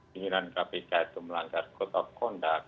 pimpinan kpk itu melanggar kodok kondak